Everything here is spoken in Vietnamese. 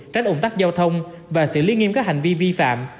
tránh ủng tắc giao thông và xử lý nghiêm các hành vi vi phạm